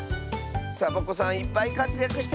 サボ子さんいっぱいかつやくしてたね！